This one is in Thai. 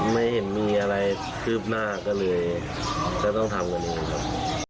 ไม่เห็นมีอะไรคืบหน้าก็เลยก็ต้องทำกันเองครับ